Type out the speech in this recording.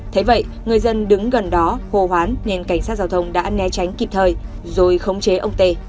thế vậy người dân đứng gần đó hô hoán nên cảnh sát giao thông đã né tránh kịp thời rồi khống chế ông tê